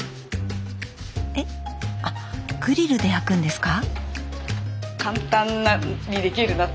えっ？あっグリルで焼くんですか？